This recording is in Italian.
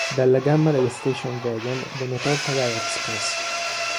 Dalla gamma delle station wagon venne tolta la Express.